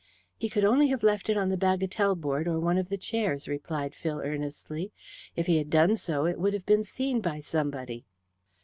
"He could only have left it on the bagatelle board or one of the chairs," replied Phil earnestly. "If he had done so it would have been seen by somebody."